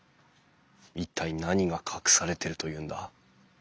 一体何が隠されてるというんだ？